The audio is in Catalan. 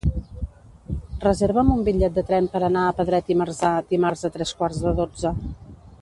Reserva'm un bitllet de tren per anar a Pedret i Marzà dimarts a tres quarts de dotze.